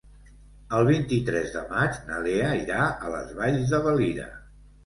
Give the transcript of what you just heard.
El vint-i-tres de maig na Lea irà a les Valls de Valira.